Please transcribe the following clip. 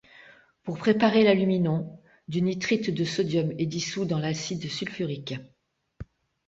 Pour préparer l'aluminon, du nitrite de sodium est dissout dans l'acide sulfurique.